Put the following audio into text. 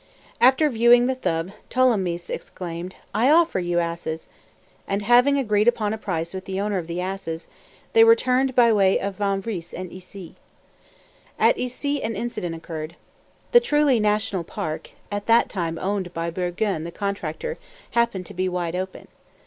After viewing the shrub, Tholomyès exclaimed, "I offer you asses!" and having agreed upon a price with the owner of the asses, they returned by way of Vanvres and Issy. At Issy an incident occurred. The truly national park, at that time owned by Bourguin the contractor, happened to be wide open.